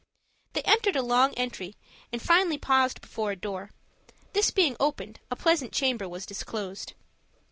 They entered a long entry, and finally paused before a door. This being opened a pleasant chamber was disclosed.